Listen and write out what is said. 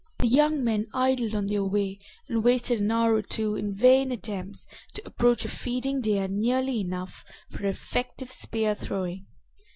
The young men idled on their way and wasted an hour or two in vain attempts to approach a feeding deer nearly enough for effective spear throwing.